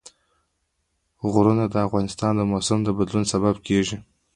غرونه د افغانستان د موسم د بدلون سبب کېږي.